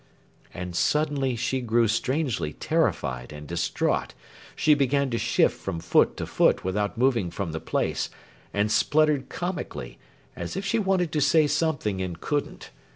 And suddenly she grew strangely terrified and distraught; she began to shift from foot to foot without moving from the place, and spluttered comically, as if she wanted to say something and couldn't.